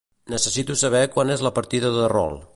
Necessito saber quan és la partida de rol.